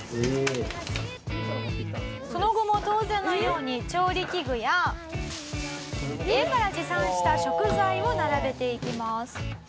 その後も当然のように調理器具や家から持参した食材を並べていきます。